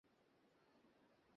আছে আত্মমর্যাদাবোধ এবং সাহসিকতা।